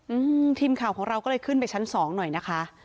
อืมทีมข่าวของเราก็เลยขึ้นไปชั้นสองหน่อยนะคะ